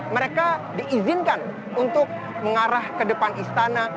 mereka diizinkan untuk mengarah ke depan istana